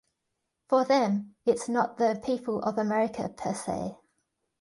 For them, it's not the people of America, per se.